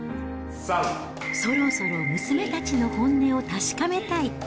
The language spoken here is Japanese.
そろそろ娘たちの本音を確かめたい。